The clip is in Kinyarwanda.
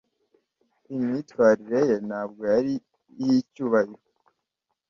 Imyitwarire ye ntabwo yari iy'icyubahiro.